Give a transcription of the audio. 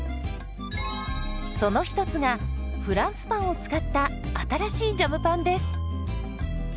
その一つがフランスパンを使った新しいジャムパンです。